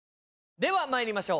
ではまいりましょう。